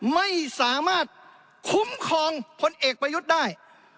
ไม่สามารถคุ้มครองพลเอกประยุทธ์ได้